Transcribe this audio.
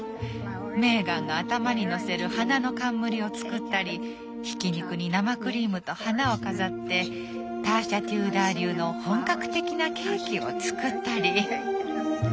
メーガンが頭に載せる花の冠を作ったりひき肉に生クリームと花を飾ってターシャ・テューダー流の本格的なケーキを作ったり。